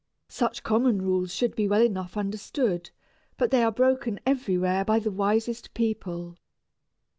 Such common rules should be well enough understood, but they are broken everywhere by the wisest people.